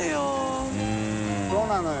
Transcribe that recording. Δ鵝そうなのよ。